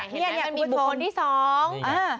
เห็นไหมมันมีบุคคลที่สอง